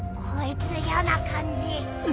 こいつやな感じ。